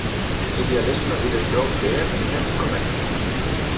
Idealisme wie de driuwfear, net de kommersje.